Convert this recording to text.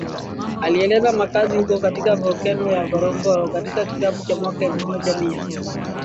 alieleza makazi huko katika volkeno ya Ngorongoro katika kitabu cha mwaka elfu moja mia